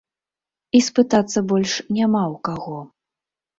І спытацца больш няма ў кога.